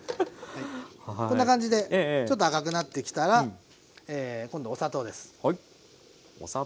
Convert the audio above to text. こんな感じでちょっと赤くなってきたら今度お砂糖です。